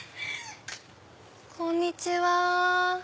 こんにちは。